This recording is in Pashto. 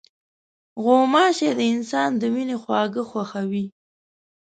غوماشې د انسان د وینې خواږه خوښوي.